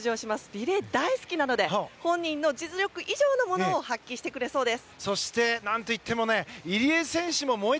リレー、大好きなので本人の実力以上のものを発揮してくれそうです。